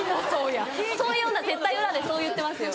そういう女絶対裏でそう言ってますよ。